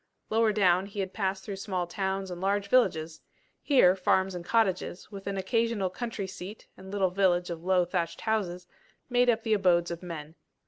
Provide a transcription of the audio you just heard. Lower down he had passed through small towns and large villages: here, farms and cottages, with an occasional country seat and little village of low thatched houses, made up the abodes of men.